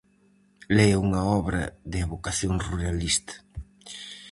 Le unha obra de evocación ruralista.